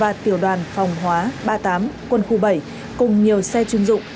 và tiểu đoàn phòng hóa ba mươi tám quân khu bảy cùng nhiều xe chuyên dụng